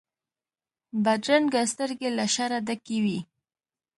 بدرنګه سترګې له شره ډکې وي